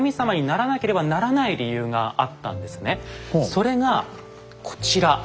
それがこちら。